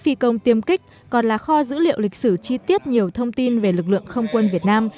phi công tiêm kích còn là kho dữ liệu lịch sử chi tiết nhiều thông tin về lực lượng không quân việt nam